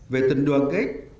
về tình đoàn kết tương thăng